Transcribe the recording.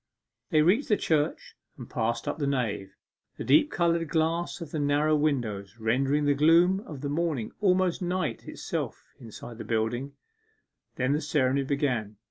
They reached the church and passed up the nave, the deep coloured glass of the narrow windows rendering the gloom of the morning almost night itself inside the building. Then the ceremony began.